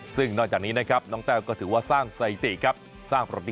ซึ่งนอกจากนี้นะครับน้องแต้วก็ถือว่าสร้างไสติครับ